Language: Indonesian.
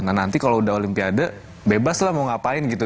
nah nanti kalau udah olimpiade bebas lah mau ngapain gitu